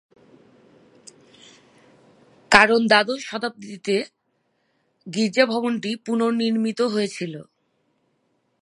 কারণ দ্বাদশ শতাব্দীতে গির্জা ভবনটি পুনর্নির্মিত হয়েছিল।